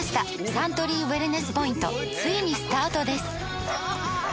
サントリーウエルネスポイントついにスタートです！